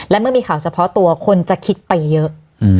และเมื่อมีข่าวเฉพาะตัวคนจะคิดไปเยอะ